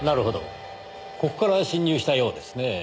ここから侵入したようですねぇ。